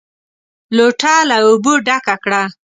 لوټه له اوبو ډکه کړه!